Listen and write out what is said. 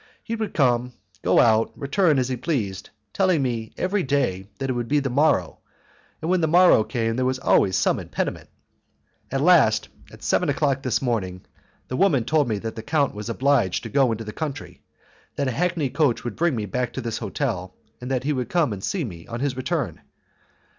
He would come, go out, return as he pleased, telling me every day that it would be the morrow, and when the morrow came there was always some impediment. At last, at seven o'clock this morning, the woman told me that the count was obliged to go into the country, that a hackney coach would bring me back to his hotel, and that he would come and see me on his return.